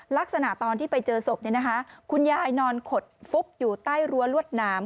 ลักษณะตอนที่ไปเจอศพเนี่ยนะคะคุณยายนอนขดฟุกอยู่ใต้รั้วลวดน้ำ